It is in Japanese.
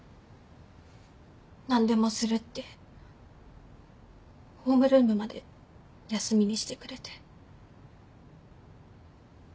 何でもするってホームルームまで休みにしてくれて。